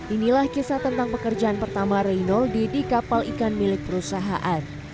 inilah kisah tentang pekerjaan pertama reynoldi di kapal ikan milik perusahaan